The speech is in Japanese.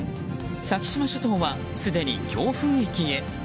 先島諸島は、すでに強風域へ。